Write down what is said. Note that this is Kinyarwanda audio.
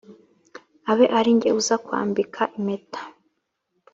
abe arinjye uza kwambika impeta